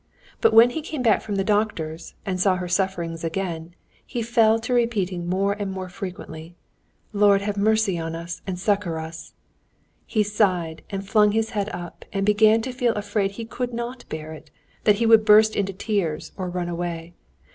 But when he came back from the doctor's and saw her sufferings again, he fell to repeating more and more frequently: "Lord, have mercy on us, and succor us!" He sighed, and flung his head up, and began to feel afraid he could not bear it, that he would burst into tears or run away.